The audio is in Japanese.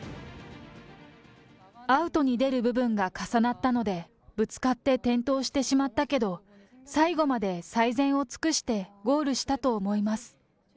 アウトに出る部分が重なったので、ぶつかって転倒してしまったけど、最後まで最善を尽くしてゴールしたと思います。